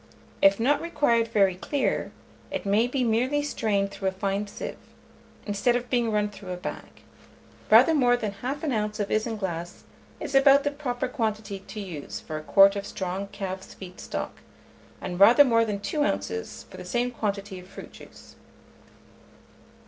If not required very clear, it may be merely strained through a fine sieve, instead of being run through a bag. Rather more than 1/2 oz. of isinglass is about the proper quantity to use for a quart of strong calf's feet stock, and rather more than 2 oz. for the same quantity of fruit juice.